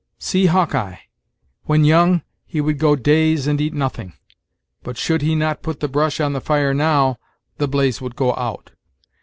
See Hawk eye! when young, he would go days and eat nothing; but should he not put the brush on the fire now, the blaze would go out.